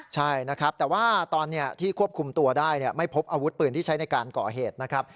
ใช่นะครับแต่ว่าตอนนี้ที่ควบคุมตัวได้ไม่พบอาวุธปืนที่ใช้ในการก่อเหตุนะครับ